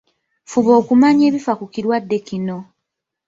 Fuba okumanya ebifa ku kirwadde kino.